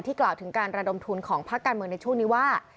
กล่าวถึงการระดมทุนของภาคการเมืองในช่วงนี้ว่า